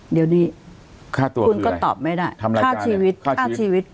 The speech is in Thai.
เดี๋ยวนี้ค่าตัวคืออะไรคุณก็ตอบไม่ได้ทำอะไรกันค่าชีวิตค่าชีวิต